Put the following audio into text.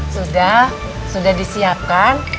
sudah sudah disiapkan